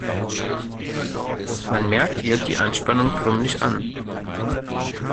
Man merkt ihr die Anspannung förmlich an.